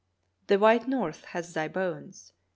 The White North has thy bones.